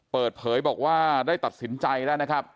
เปิดเผยบอกว่าได้ตัดสินใจแล้วนะครับ